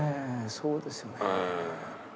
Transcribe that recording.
そうですよね。